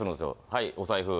はいお財布。